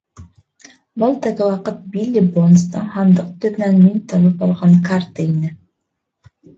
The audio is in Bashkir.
Был теге ваҡыт Билли Бонстың һандыҡ төбөнән мин табып алған карта ине.